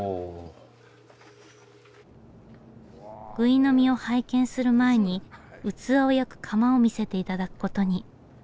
ぐい呑みを拝見する前に器を焼く窯を見せて頂くことに。